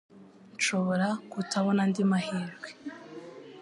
Nshobora kutabona andi mahirwe